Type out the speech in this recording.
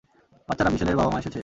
বাচ্চারা, মিশেলের বাবা-মা এসেছে।